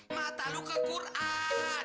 mata lu ke quran